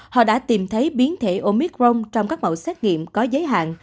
họ đã tìm thấy biến thể omicron trong các mẫu xét nghiệm có giới hạn